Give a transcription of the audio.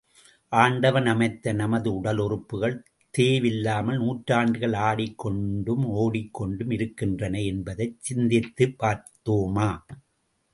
ஆண்டவன் அமைத்த நமது உடலுறுப்புகள் தேய்வில்லாமல், நூறாண்டுகள் ஆடிக் கொண்டும் ஓடிக் கொண்டும் இருக்கின்றன என்பதைச் சிந்தித்துப் பார்த்தோமா?